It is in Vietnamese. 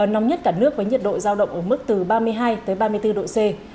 nóng nhất cả nước với nhiệt độ giao động ở mức từ ba mươi hai ba mươi bốn độ c